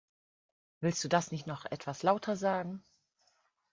Willst du das nicht noch etwas lauter sagen?